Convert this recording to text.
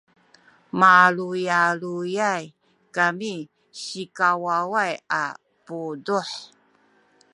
maluyaluyay kami sikawaway a puduh